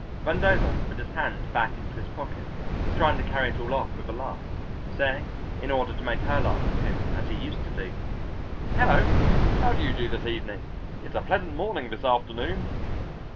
Vandover put his hand back into his pocket, trying to carry it all off with a laugh, saying in order to make her laugh with him as he used to do, "Hello! how do you do this evening? It's a pleasant morning this afternoon."